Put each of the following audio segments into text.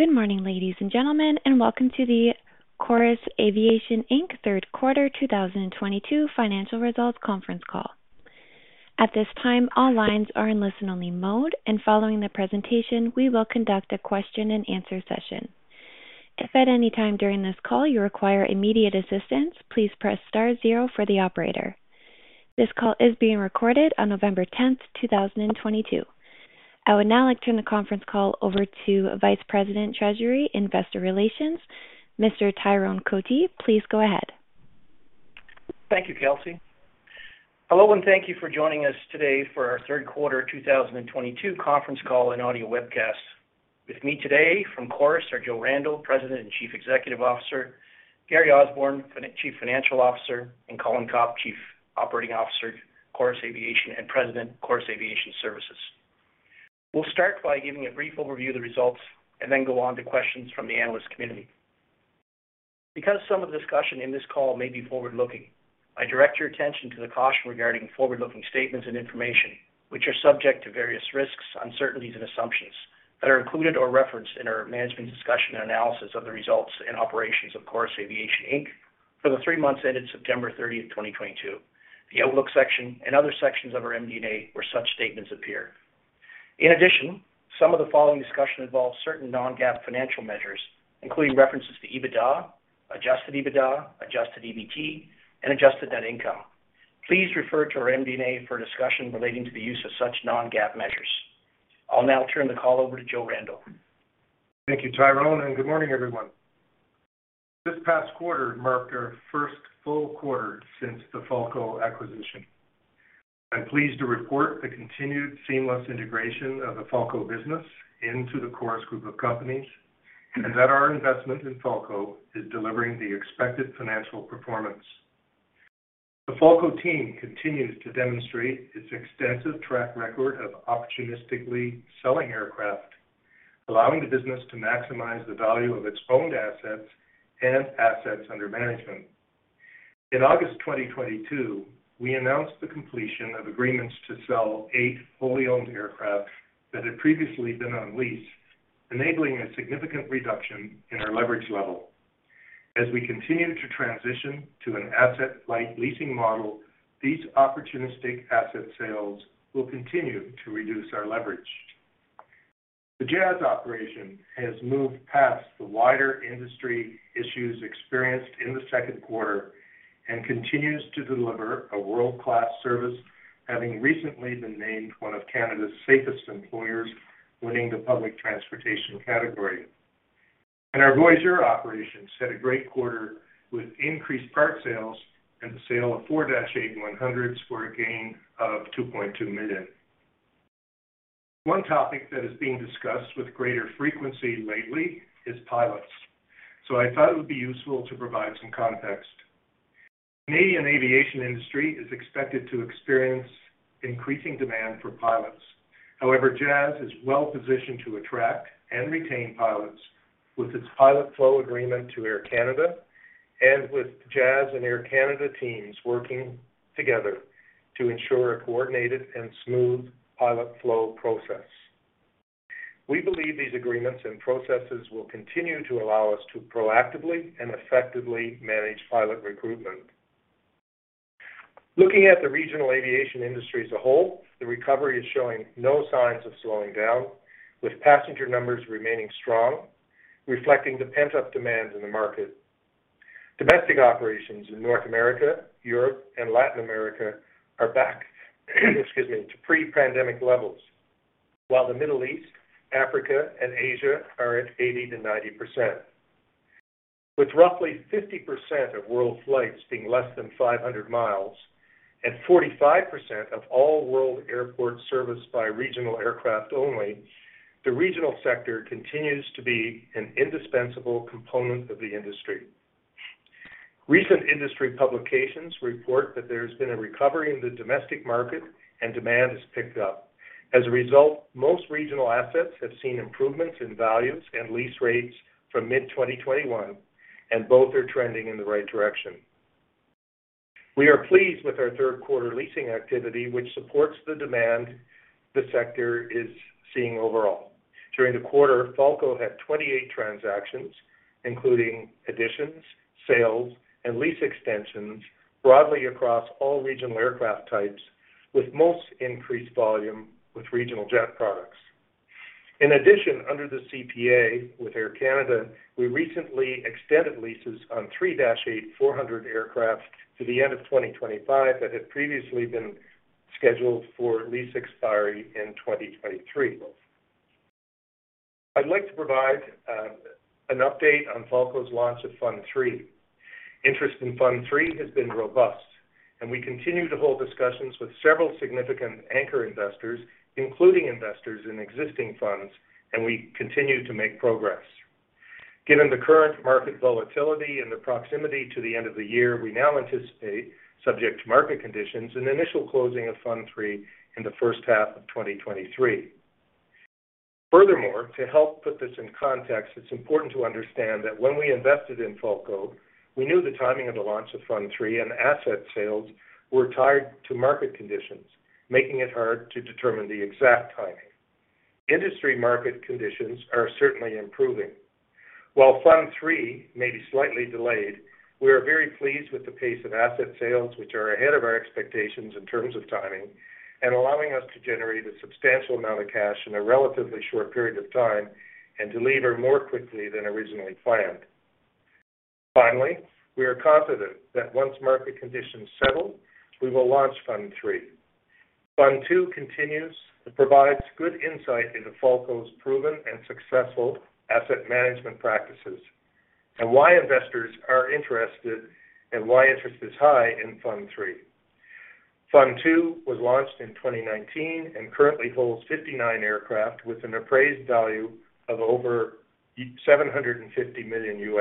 Good morning, ladies and gentlemen, and welcome to the Chorus Aviation Inc. 3rd Quarter 2022 financial results conference call. At this time, all lines are in listen-only mode, and following the presentation, we will conduct a question and answer session. If at any time during this call you require immediate assistance, please press star zero for the operator. This call is being recorded on Nov9ember 10th, 2022. I would now like to turn the conference call over to Vice President, Treasury and Investor Relations, Mr. Tyrone Cotie. Please go ahead. Thank you, Kelsey. Hello and thank you for joining us today for our 3rd quarter 2022 conference call and audio webcast. With me today from Chorus are Joseph Randell, President and Chief Executive Officer, Gary Osborne, Chief Financial Officer, and Colin Copp, Chief Operating Officer, Chorus Aviation and President, Chorus Aviation Services. We'll start by giving a brief overview of the results and then go on to questions from the analyst community. Because some of the discussion in this call may be forward-looking, I direct your attention to the caution regarding forward-looking statements and information which are subject to various risks, uncertainties, and assumptions that are included or referenced in our management discussion and analysis of the results and operations of Chorus Aviation, Inc. For the three months ended September 30, 2022, the outlook section and other sections of our MD&A where such statements appear. In addition, some of the following discussion involves certain non-GAAP financial measures, including references to EBITDA, adjusted EBITDA, adjusted EBT, and adjusted net income. Please refer to our MD&A for a discussion relating to the use of such non-GAAP measures. I'll now turn the call over to Joseph Randell. Thank you, Tyrone, and good morning, everyone. This past quarter marked our 1st full quarter since the Falko acquisition. I'm pleased to report the continued seamless integration of the Falko business into the Chorus group of companies, and that our investment in Falko is delivering the expected financial performance. The Falko team continues to demonstrate its extensive track record of opportunistically selling aircraft, allowing the business to maximize the value of its owned assets and assets under management. In August 2022, we announced the completion of agreements to sell eight fully owned aircraft that had previously been on lease, enabling a significant reduction in our leverage level. As we continue to transition to an asset-light leasing model, these opportunistic asset sales will continue to reduce our leverage. The Jazz operation has moved past the wider industry issues experienced in the 2nd quarter and continues to deliver a world-class service, having recently been named one of Canada's safest employers, winning the public transportation category. Our Voyageur operations had a great quarter with increased part sales and the sale of four Dash 8-100s for a gain of 2.2 million. One topic that is being discussed with greater frequency lately is pilots, so I thought it would be useful to provide some context. Canadian aviation industry is expected to experience increasing demand for pilots. However, Jazz is well-positioned to attract and retain pilots with its pilot flow agreement to Air Canada and with Jazz and Air Canada teams working together to ensure a coordinated and smooth pilot flow process. We believe these agreements and processes will continue to allow us to proactively and effectively manage pilot recruitment. Looking at the regional aviation industry as a whole, the recovery is showing no signs of slowing down, with passenger numbers remaining strong, reflecting the pent-up demand in the market. Domestic operations in North America, Europe, and Latin America are back, excuse me, to pre-pandemic levels, while the Middle East, Africa, and Asia are at 80%-90%. With roughly 50% of world flights being less than 500 mi and 45% of all world airports serviced by regional aircraft only, the regional sector continues to be an indispensable component of the industry. Recent industry publications report that there has been a recovery in the domestic market and demand has picked up. As a result, most regional assets have seen improvements in values and lease rates from mid-2021, and both are trending in the right direction. We are pleased with our 3rd quarter leasing activity, which supports the demand the sector is seeing overall. During the quarter, Falko had 28 transactions, including additions, sales, and lease extensions broadly across all regional aircraft types, with most increased volume with regional jet products. In addition, under the CPA with Air Canada, we recently extended leases on three Dash 8-400 aircraft to the end of 2025 that had previously been scheduled for lease expiry in 2023. I'd like to provide an update on Falko's launch of Fund Three. Interest in Fund Three has been robust, and we continue to hold discussions with several significant anchor investors, including investors in existing funds, and we continue to make progress. Given the current market volatility and the proximity to the end of the year, we now anticipate, subject to market conditions, an initial closing of Fund Three in the 1st half of 2023. Furthermore, to help put this in context, it's important to understand that when we invested in Falko, we knew the timing of the launch of Fund Three and asset sales were tied to market conditions, making it hard to determine the exact timing. Industry market conditions are certainly improving. While Fund III may be slightly delayed, we are very pleased with the pace of asset sales, which are ahead of our expectations in terms of timing and allowing us to generate a substantial amount of cash in a relatively short period of time and deliver more quickly than originally planned. Finally, we are confident that once market conditions settle, we will launch Fund III. Fund II continues to provide good insight into Falko's proven and successful asset management practices, and why investors are interested and why interest is high in Fund III. Fund II was launched in 2019 and currently holds 59 aircraft with an appraised value of over $750 million.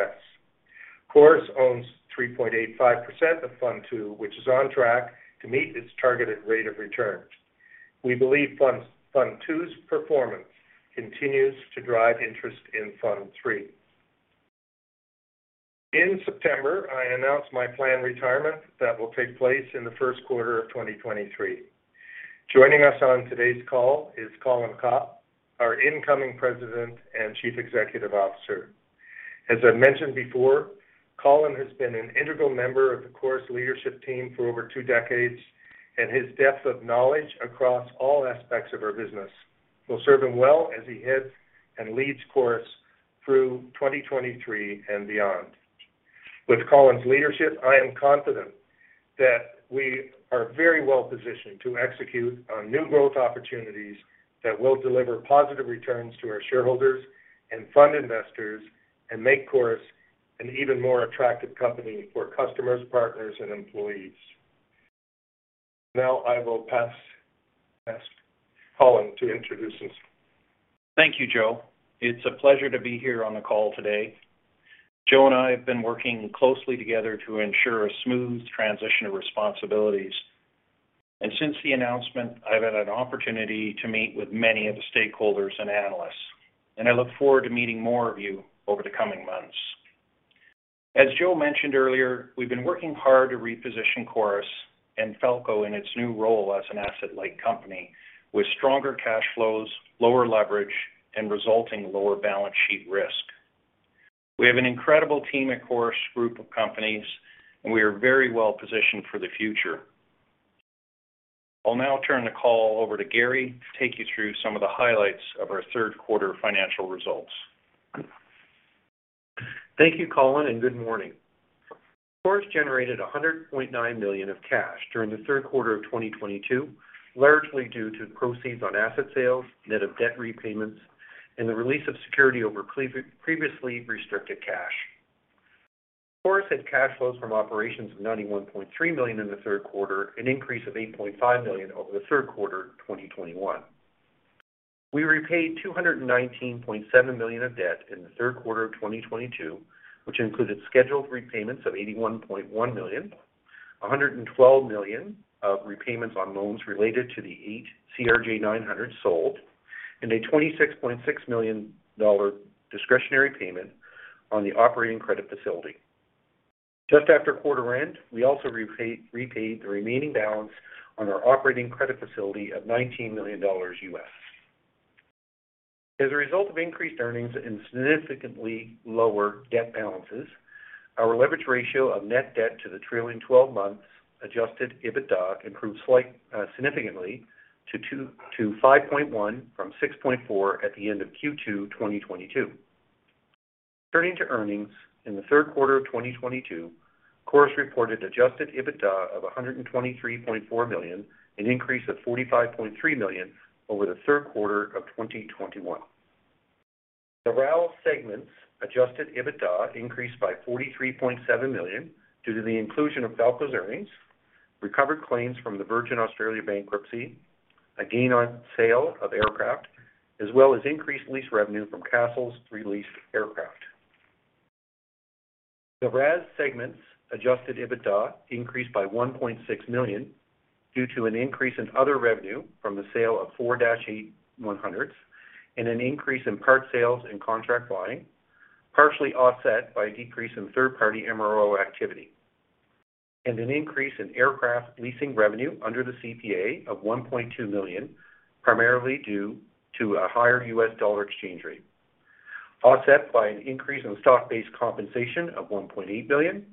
Chorus owns 3.85% of Fund II, which is on track to meet its targeted rate of return. We believe Fund II's performance continues to drive interest in Fund III. In September, I announced my planned retirement that will take place in the 1st quarter of 2023. Joining us on today's call is Colin Copp, our incoming President and Chief Executive Officer. As I mentioned before, Colin has been an integral member of the Chorus leadership team for over two decades, and his depth of knowledge across all aspects of our business will serve him well as he heads and leads Chorus through 2023 and beyond. With Colin's leadership, I am confident that we are very well-positioned to execute on new growth opportunities that will deliver positive returns to our shareholders and fund investors and make Chorus an even more attractive company for customers, partners, and employees. Now I will pass, ask Colin to introduce himself. Thank you, Joe. It's a pleasure to be here on the call today. Joe and I have been working closely together to ensure a smooth transition of responsibilities. Since the announcement, I've had an opportunity to meet with many of the stakeholders and analysts, and I look forward to meeting more of you over the coming months. As Joe mentioned earlier, we've been working hard to reposition Chorus and Falko in its new role as an asset-light company with stronger cash flows, lower leverage, and resulting lower balance sheet risk. We have an incredible team at Chorus group of companies, and we are very well-positioned for the future. I'll now turn the call over to Gary to take you through some of the highlights of our 3rd quarter financial results. Thank you, Colin, and good morning. Chorus generated 100.9 million of cash during the 3rd quarter of 2022, largely due to the proceeds on asset sales, net of debt repayments, and the release of security over previously restricted cash. Chorus had cash flows from operations of 91.3 million in the 3rd quarter, an increase of 8.5 million over the 3rd quarter 2021. We repaid 219.7 million of debt in the 3rd quarter of 2022, which included scheduled repayments of 81.1 million, 112 million of repayments on loans related to the 8 CRJ-900 sold, and a 26.6 million-dollar discretionary payment on the operating credit facility. Just after quarter end, we also repaid the remaining balance on our operating credit facility of $19 million. As a result of increased earnings and significantly lower debt balances, our leverage ratio of net debt to the trailing 12-month adjusted EBITDA improved significantly to 5.1 from 6.4 at the end of Q2 2022. Turning to earnings in the 3rd quarter of 2022, Chorus reported adjusted EBITDA of 123.4 million, an increase of 45.3 million over the 3rd quarter of 2021. The RAL segment's adjusted EBITDA increased by 43.7 million due to the inclusion of Falko's earnings, recovered claims from the Virgin Australia bankruptcy, a gain on sale of aircraft, as well as increased lease revenue from Castlelake's re-leased aircraft. The RAS segment's adjusted EBITDA increased by 1.6 million due to an increase in other revenue from the sale of four Dash 8-100s and an increase in parts sales and contract flying, partially offset by a decrease in 3rd-party MRO activity. An increase in aircraft leasing revenue under the CPA of 1.2 million, primarily due to a higher US dollar exchange rate, offset by an increase in stock-based compensation of 1.8 million,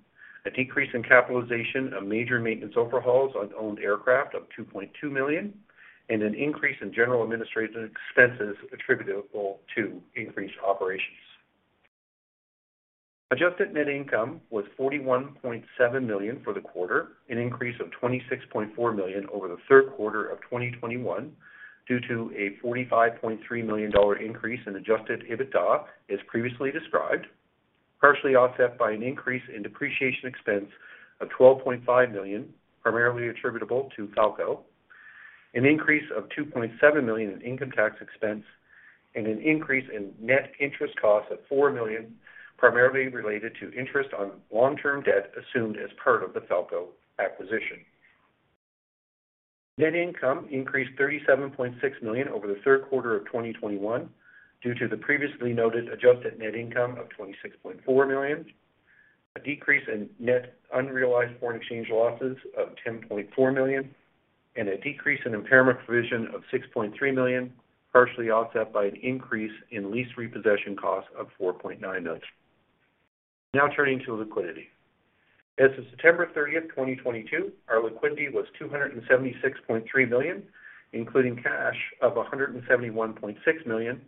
a decrease in capitalization of major maintenance overhauls on owned aircraft of 2.2 million, and an increase in general administrative expenses attributable to increased operations. Adjusted net income was 41.7 million for the quarter, an increase of 26.4 million over the 3rd quarter of 2021, due to a 45.3 million-dollar increase in adjusted EBITDA, as previously described, partially offset by an increase in depreciation expense of 12.5 million, primarily attributable to Falko, an increase of 2.7 million in income tax expense, and an increase in net interest costs of 4 million, primarily related to interest on long-term debt assumed as part of the Falko acquisition. Net income increased 37.6 million over the 3rd quarter of 2021 due to the previously noted adjusted net income of 26.4 million. A decrease in net unrealized foreign exchange losses of 10.4 million and a decrease in impairment provision of 6.3 million, partially offset by an increase in lease repossession costs of 4.9 million. Now turning to liquidity. As of September 30, 2022, our liquidity was 276.3 million, including cash of 171.6 million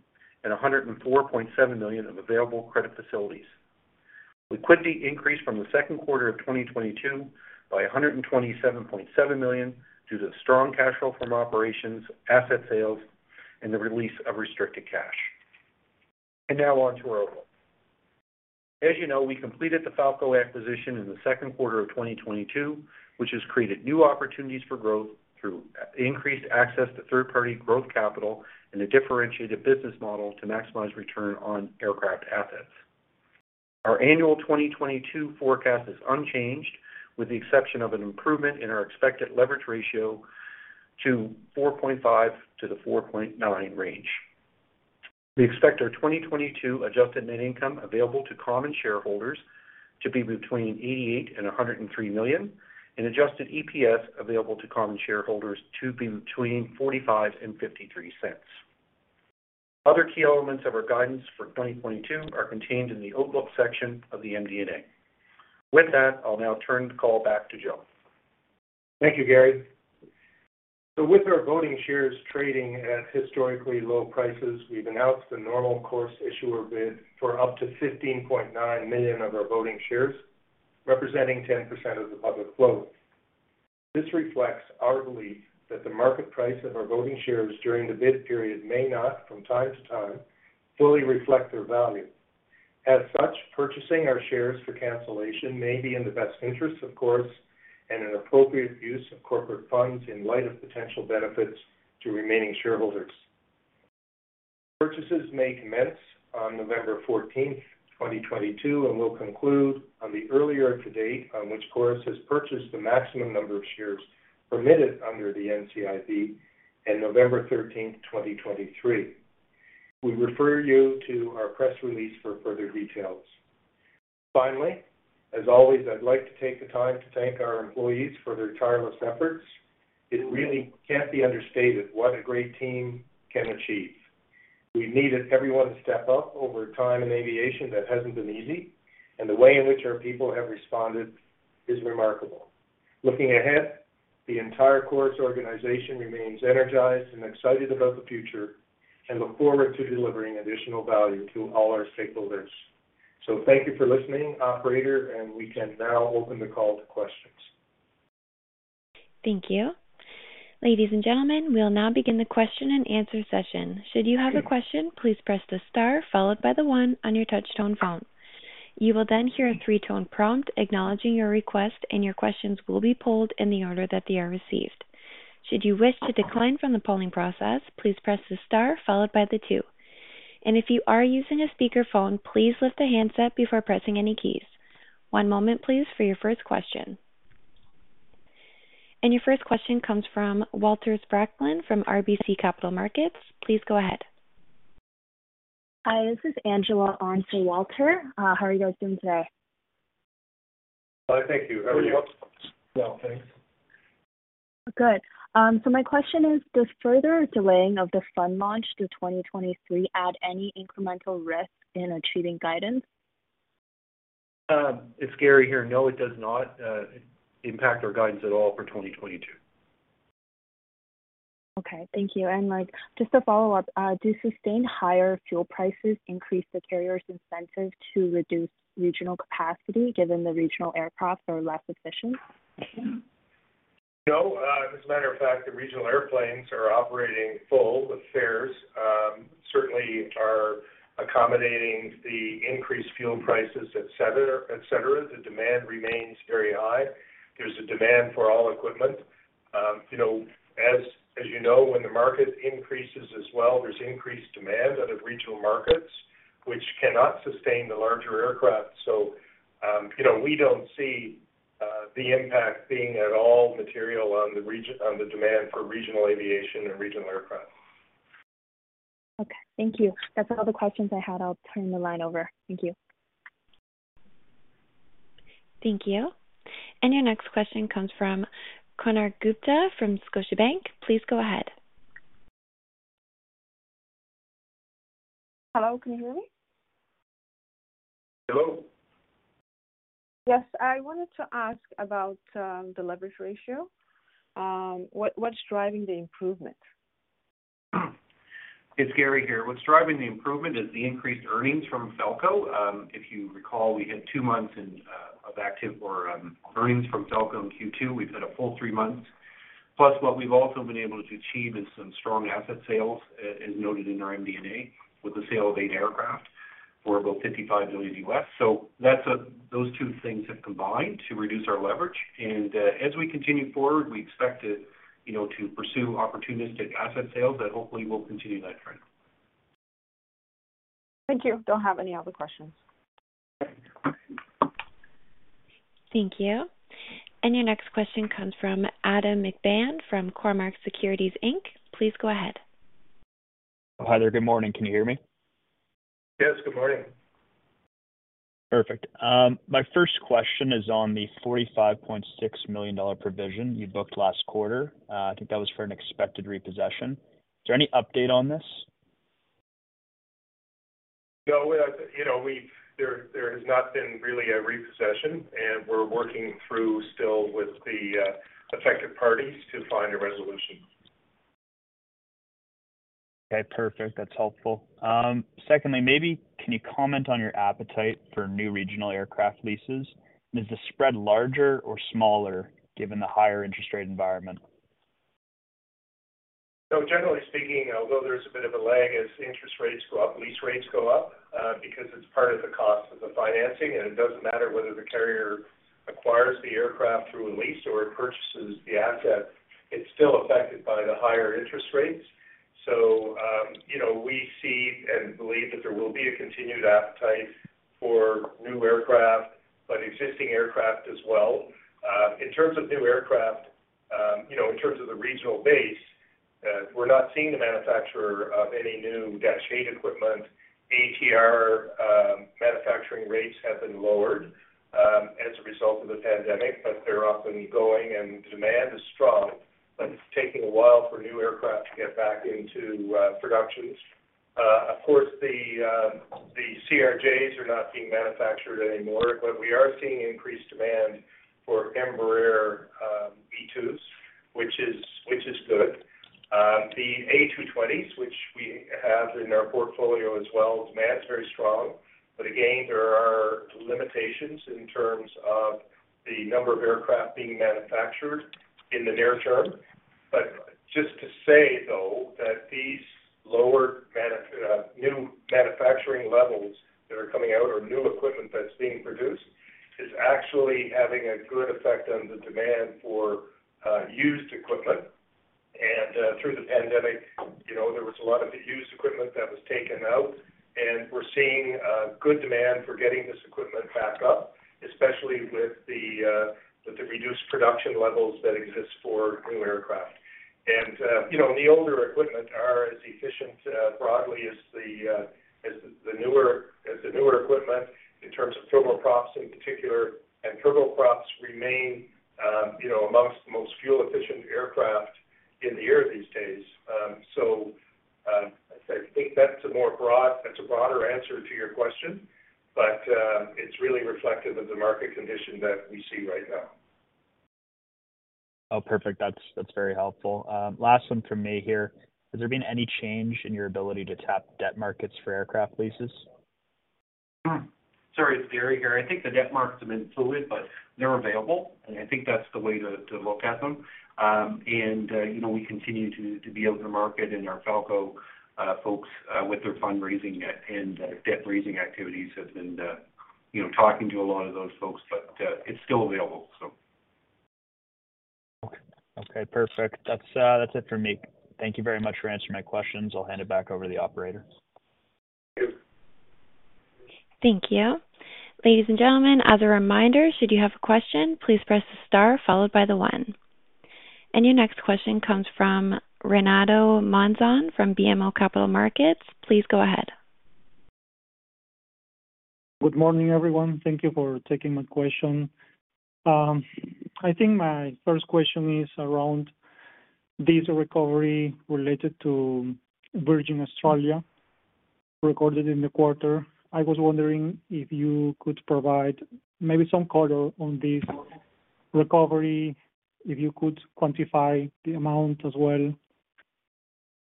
and 104.7 million of available credit facilities. Liquidity increased from the 2nd quarter of 2022 by 127.7 million due to strong cash flow from operations, asset sales, and the release of restricted cash. Now on to our outlook. As you know, we completed the Falko acquisition in the 2nd quarter of 2022, which has created new opportunities for growth through increased access to 3rd-party growth capital and a differentiated business model to maximize return on aircraft assets. Our annual 2022 forecast is unchanged, with the exception of an improvement in our expected leverage ratio to 4.5-4.9 range. We expect our 2022 adjusted net income available to common shareholders to be between 88 million and 103 million, and adjusted EPS available to common shareholders to be between 0.45 and 0.53. Other key elements of our guidance for 2022 are contained in the Outlook section of the MD&A. With that, I'll now turn the call back to Joe. Thank you, Gary. With our voting shares trading at historically low prices, we've announced the normal course issuer bid for up to 15.9 million of our voting shares, representing 10% of the public float. This reflects our belief that the market price of our voting shares during the bid period may not, from time to time, fully reflect their value. As such, purchasing our shares for cancellation may be in the best interest, of course, and an appropriate use of corporate funds in light of potential benefits to remaining shareholders. Purchases may commence on November 14th, 2022, and will conclude on the earlier of the date on which Chorus has purchased the maximum number of shares permitted under the NCIB in November 13th, 2023. We refer you to our press release for further details. Finally, as always, I'd like to take the time to thank our employees for their tireless efforts. It really can't be understated what a great team can achieve. We've needed everyone to step up over a time in aviation that hasn't been easy, and the way in which our people have responded is remarkable. Looking ahead, the entire Chorus organization remains energized and excited about the future and look forward to delivering additional value to all our stakeholders. Thank you for listening, operator, and we can now open the call to questions. Thank you. Ladies and gentlemen, we'll now begin the question and answer session. Should you have a question, please press the star followed by the one on your touch tone phone. You will then hear a three-tone prompt acknowledging your request, and your questions will be polled in the order that they are received. Should you wish to decline from the polling process, please press the star followed by the two. If you are using a speakerphone, please lift the handset before pressing any keys. One moment please for your 1st question. Your 1st question comes from Walter Spracklin from RBC Capital Markets. Please go ahead. Hi, this is Angela on for Walter. How are you guys doing today? Fine, thank you. How are you? Well, thanks. Good. My question is: does further delaying of the fund launch to 2023 add any incremental risk in achieving guidance? It's Gary here. No, it does not impact our guidance at all for 2022. Okay, thank you. Like, just a follow-up. Do sustained higher fuel prices increase the carrier's incentive to reduce regional capacity, given the regional aircraft are less efficient? No. As a matter of fact, the regional airplanes are operating full. The fares certainly are accommodating the increased fuel prices, et cetera, et cetera. The demand remains very high. There's a demand for all equipment. You know, as you know, when the market increases as well, there's increased demand out of regional markets, which cannot sustain the larger aircraft. You know, we don't see the impact being at all material on the demand for regional aviation and regional aircraft. Okay, thank you. That's all the questions I had. I'll turn the line over. Thank you. Thank you. Your next question comes from Konark Gupta from Scotiabank. Please go ahead. Hello, can you hear me? Hello. Yes. I wanted to ask about the leverage ratio. What's driving the improvement? It's Gary here. What's driving the improvement is the increased earnings from Falko. If you recall, we ha²d two months in of activity or earnings from Falko in Q2. We've had a full three months. Plus, what we've also been able to achieve is some strong asset sales, as noted in our MD&A, with the sale of 8 aircraft for about $55 million. That's. Those two things have combined to reduce our leverage. As we continue forward, we expect to, you know, to pursue opportunistic asset sales that hopefully will continue that trend. Thank you. Don't have any other questions. Thank you. Your next question comes from Adam McBann from Cormark Securities Inc. Please go ahead. Hi there. Good morning. Can you hear me? Yes, good morning. Perfect. My 1st question is on the 45.6 million dollar provision you booked last quarter. I think that was for an expected repossession. Is there any update on this? No, you know, there has not been really a repossession, and we're working through still with the affected parties to find a resolution. Okay. Perfect. That's helpful. Secondly, maybe can you comment on your appetite for new regional aircraft leases? Is the spread larger or smaller given the higher interest rate environment? Generally speaking, although there's a bit of a lag as interest rates go up, lease rates go up, because it's part of the cost of the financing, and it doesn't matter whether the carrier acquires the aircraft through a lease or it purchases the asset, it's still affected by the higher interest rates. You know, we see and believe that there will be a continued appetite for new aircraft, but existing aircraft as well. In terms of new aircraft, you know, in terms of the regional base, we're not seeing the manufacturer of any new Dash 8 equipment. ATR manufacturing rates have been lowered as a result of the pandemic, but they're up and going, and demand is strong, but it's taking a while for new aircraft to get back into production. Of course, the CRJs are not being manufactured anymore, but we are seeing increased demand for Embraer E2s, which is good. The A220s, which we have in our portfolio as well, demand is very strong. But again, there are limitations in terms of the number of aircraft being manufactured in the near term. But just to say, though, that these new manufacturing levels that are coming out or new equipment that's being produced is actually having a good effect on the demand for used equipment. Through the pandemic, you know, there was a lot of the used equipment that was taken out, and we're seeing good demand for getting this equipment back up, especially with the reduced production levels that exist for new aircraft. You know, the older equipment are asking efficient broadly as the newer equipment in terms of turboprops in particular. Turboprops remain among the most fuel-efficient aircraft in the air these days. I think that's a broader answer to your question, but it's really reflective of the market condition that we see right now. Oh, perfect. That's very helpful. Last one from me here. Has there been any change in your ability to tap debt markets for aircraft leases? Sorry, it's Gary here. I think the debt markets have been fluid, but they're available, and I think that's the way to look at them. You know, we continue to be able to market and our Falko folks with their fundraising and debt-raising activities have been, you know, talking to a lot of those folks. It's still available, so. Okay. Okay, perfect. That's it for me. Thank you very much for answering my questions. I'll hand it back over to the operator. Thank you. Thank you. Ladies and gentlemen, as a reminder, should you have a question, please press star followed by the one. Your next question comes from Renato Monzon from BMO Capital Markets. Please go ahead. Good morning, everyone. Thank you for taking my question. I think my 1st question is around this recovery related to Virgin Australia recorded in the quarter. I was wondering if you could provide maybe some color on this recovery, if you could quantify the amount as well.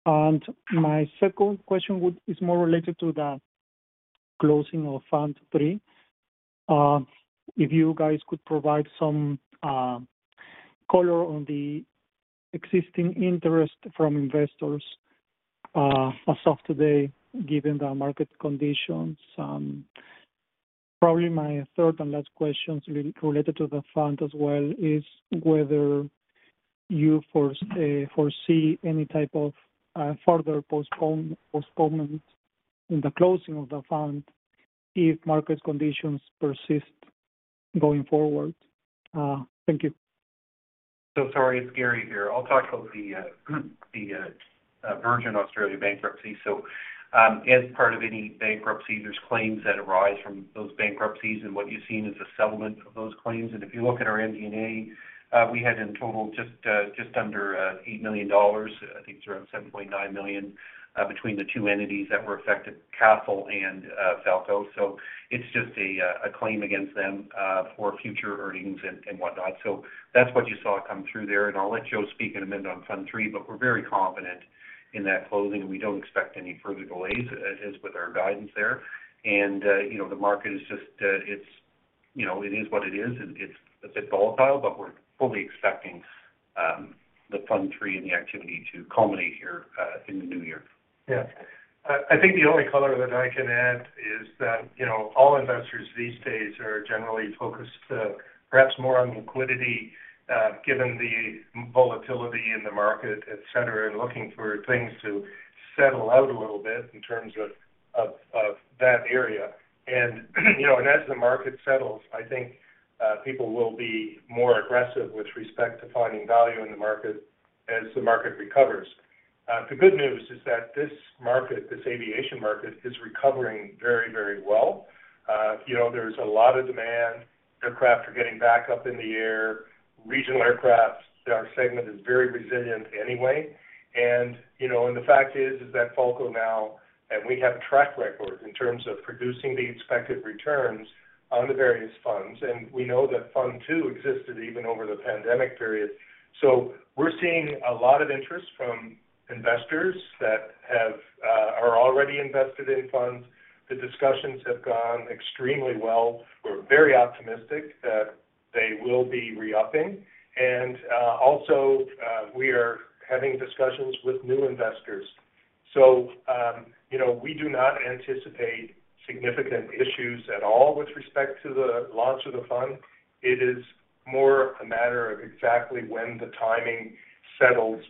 My 2nd question is more related to the closing of Fund III. If you guys could provide some color on the existing interest from investors as of today, given the market conditions. Probably my 3rd and last questions related to the fund as well is whether you foresee any type of further postponements in the closing of the fund if market conditions persist going forward. Thank you. Sorry, it's Gary here. I'll talk about the Virgin Australia bankruptcy. As part of any bankruptcy, there's claims that arise from those bankruptcies, and what you've seen is a settlement of those claims. If you look at our MD&A, we had in total just under 8 million dollars, I think it's around 7.9 million, between the two entities that were affected, Castlelake and Falko. It's just a claim against them for future earnings and whatnot. That's what you saw come through there. I'll let Joe speak in a minute on Fund III, but we're very confident in that closing, and we don't expect any further delays, as with our guidance there. You know, the market is just it's you know it is what it is. It's a bit volatile, but we're fully expecting the Fund III and the activity to culminate here in the new year. Yeah. I think the only color that I can add is that, you know, all investors these days are generally focused, perhaps more on liquidity, given the volatility in the market, et cetera, and looking for things to settle out a little bit in terms of that area. You know, and as the market settles, I think people will be more aggressive with respect to finding value in the market as the market recovers. The good news is that this market, this aviation market, is recovering very, very well. You know, there's a lot of demand. Aircraft are getting back up in the air. Regional aircraft, our segment is very resilient anyway. You know, the fact is that Falko now, and we have a track record in terms of producing the expected returns on the various funds, and we know that fund two existed even over the pandemic period. We're seeing a lot of interest from investors that are already invested in funds. The discussions have gone extremely well. We're very optimistic that they will be re-upping. Also, we are having discussions with new investors. You know, we do not anticipate significant issues at all with respect to the launch of the fund. It is more a matter of exactly when the timing settles,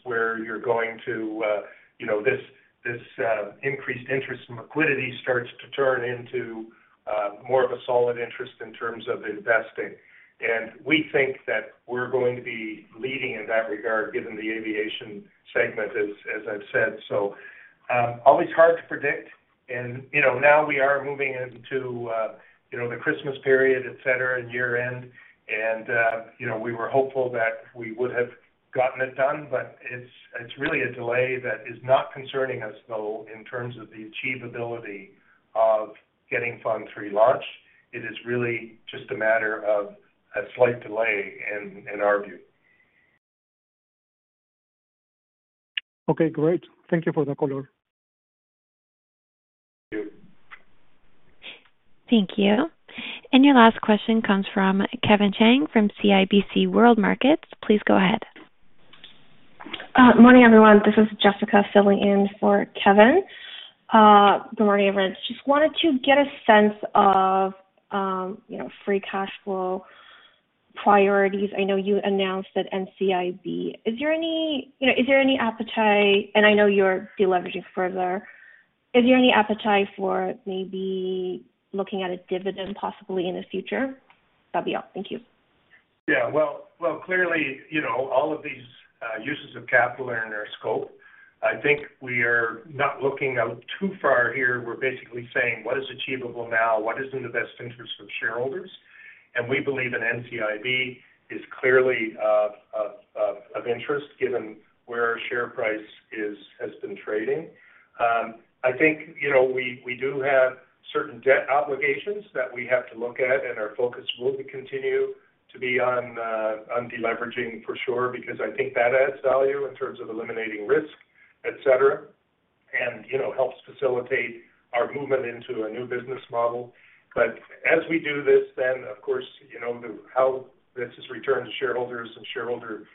this increased interest in liquidity starts to turn into more of a solid interest in terms of investing. We think that we're going to be leading in that regard, given the aviation segment, as I've said. Always hard to predict. You know, now we are moving into, you know, the Christmas period, et cetera, and year-end. You know, we were hopeful that we would have gotten it done, but it's really a delay that is not concerning us, though, in terms of the achievability of getting Fund III launched. It is really just a matter of a slight delay in our view. Okay, great. Thank you for the color. Thank you. Thank you. Your last question comes from Kevin Chiang from CIBC World Markets. Please go ahead. Morning, everyone. This is Jessica filling in for Kevin. Good morning, everyone. Just wanted to get a sense of, you know, free cash flow priorities. I know you announced that NCIB. Is there any, you know, is there any appetite? I know you're deleveraging further. Is there any appetite for maybe looking at a dividend possibly in the future? That'll be all. Thank you. Well, clearly, you know, all of these uses of capital are in our scope. I think we are not looking out too far here. We're basically saying what is achievable now, what is in the best interest of shareholders. We believe an NCIB is clearly of interest given where our share price is, has been trading. I think, you know, we do have certain debt obligations that we have to look at, and our focus will continue to be on deleveraging for sure, because I think that adds value in terms of eliminating risk, et cetera, and, you know, helps facilitate our movement into a new business model. As we do this, then, of course, you know, how this is returned to shareholders and shareholders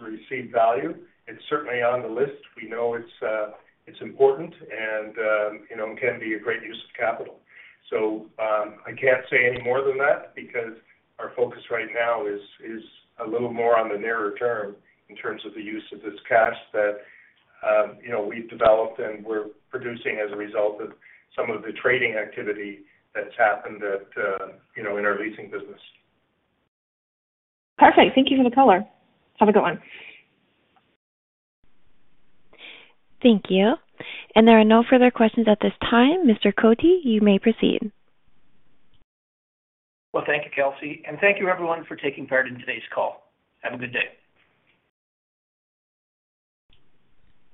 receive value. It's certainly on the list. We know it's important and, you know, can be a great use of capital. I can't say any more than that because our focus right now is a little more on the nearer term in terms of the use of this cash that, you know, we've developed and we're producing as a result of some of the trading activity that's happened at, you know, in our leasing business. Perfect. Thank you for the color. Have a good one. Thank you. There are no further questions at this time. Mr. Cotie, you may proceed. Well, thank you, Kelsey. Thank you everyone for taking part in today's call. Have a good day.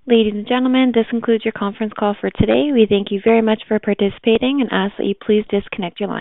Ladies and gentlemen, this concludes your conference call for today. We thank you very much for participating and ask that you please disconnect your line.